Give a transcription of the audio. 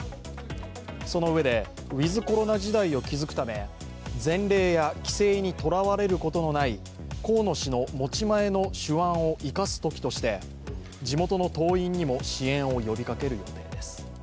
その上で、ウィズ・コロナ時代を築くため前例や規制にとらわれることのない河野氏の持ち前の手腕を生かす時として、地元の党員にも支援を呼びかける予定です。